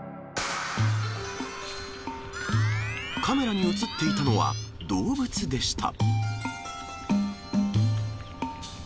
カメラに写っていたのは動物でした。